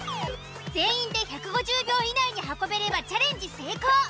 全員で１５０秒以内に運べればチャレンジ成功。